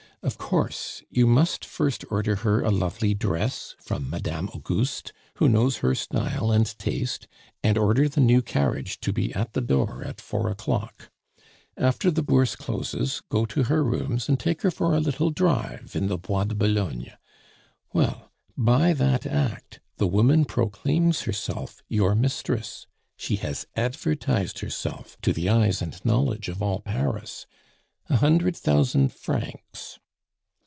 Of course, you must first order her a lovely dress from Madame Auguste, who knows her style and taste; and order the new carriage to be at the door at four o'clock. After the Bourse closes, go to her rooms and take her for a little drive in the Bois de Boulogne. Well, by that act the woman proclaims herself your mistress; she has advertised herself to the eyes and knowledge of all Paris: A hundred thousand francs.